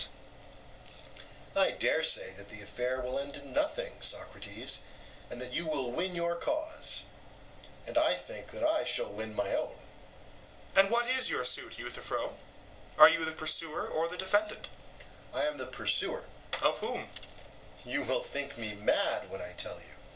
EUTHYPHRO: I dare say that the affair will end in nothing, Socrates, and that you will win your cause; and I think that I shall win my own. SOCRATES: And what is your suit, Euthyphro? are you the pursuer or the defendant? EUTHYPHRO: I am the pursuer. SOCRATES: Of whom? EUTHYPHRO: You will think me mad when I tell you.